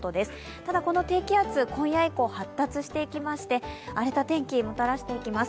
ただ、この低気圧、今夜以降発達していきまして、荒れた天気をもたらしていきます